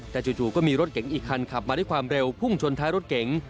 แต่จู่ก็มีรถเก๋งอีกคันขับมาด้วยความเร็วพุ่งชนท้ายรถเก๋ง